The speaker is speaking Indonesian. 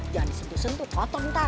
jangan disentuh sentuh totong ntar